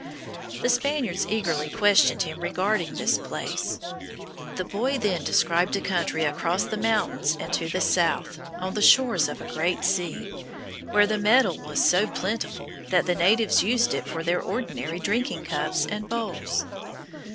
The Spaniards eagerly questioned him regarding this place. The boy then described a country across the mountains and to the south, on the shores of a great sea, where the metal was so plentiful that the natives used it for their ordinary drinking cups and bowls.